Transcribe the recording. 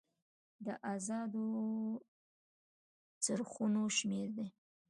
د ازادو څرخونو شمیر دی.